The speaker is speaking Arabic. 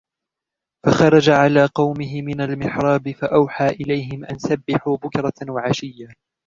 فخرج على قومه من المحراب فأوحى إليهم أن سبحوا بكرة وعشيا